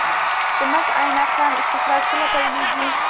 د مس عینک کان استخراج کله پیلیږي؟